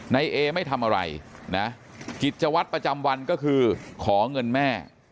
นายเอไม่ทำอะไรนะกิจวัตรประจำวันก็คือขอเงินแม่